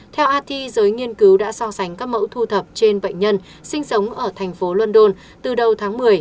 theo it giới nghiên cứu đã so sánh các mẫu thu thập trên bệnh nhân sinh sống ở thành phố london từ đầu tháng một mươi